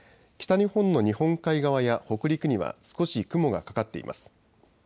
北日本の日本海側や北陸には少し雲がかかっています。